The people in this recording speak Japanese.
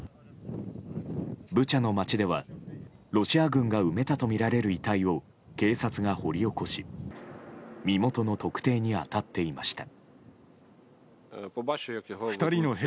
ブチャの街では、ロシア軍が埋めたとみられる遺体を警察が掘り起こし身元の特定に当たっていました。